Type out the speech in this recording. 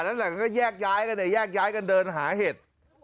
แล้วนั้นก็แยกย้ายกันแต่แยกย้ายกันเดินหาเหตุ